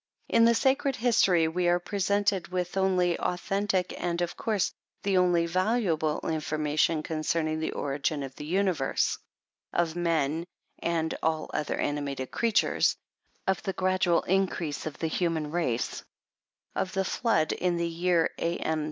In the sacred history we are presented with the only authentic, and, of course, the only valuable information concerning the origin of the universe, — of men and all other animated creatures, — of the gradual increase of the human race, — of the flood in the year A. M.